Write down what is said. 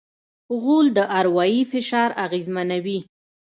غول د اروایي فشار اغېزمنوي.